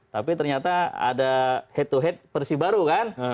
tapi ternyata ada head to head versi baru kan